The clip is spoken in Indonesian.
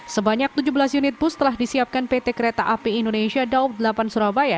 sebanyak tujuh belas unit bus telah disiapkan pt kereta api indonesia daup delapan surabaya